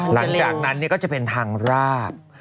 หลังจากนั้นก็จะเป็นทางราบ